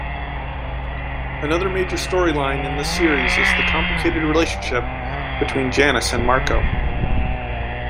Another major storyline in this series is the complicated relationship between Janis and Marco.